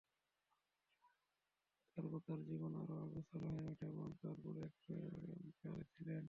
তারপর তার জীবন আরো অগোছালো হয়ে উঠে এবং তারপর একটা কার এক্সিডেন্ট।